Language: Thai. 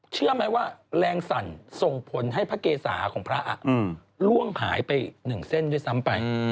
เชื่อไหมว่าแรงสั่นส่งผลให้พระเกษาของพระล่วงหายไป๑เส้นด้วยซ้ำไป